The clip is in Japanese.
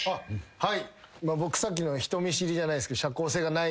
はい。